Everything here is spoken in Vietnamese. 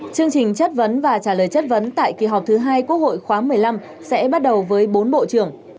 chương trình chất vấn và trả lời chất vấn tại kỳ họp thứ hai quốc hội khóa một mươi năm sẽ bắt đầu với bốn bộ trưởng